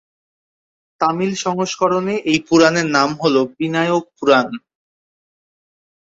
তামিল সংস্করণে এই পুরাণের নাম হল বিনায়ক পুরাণ।